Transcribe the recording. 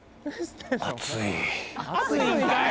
熱いんかい！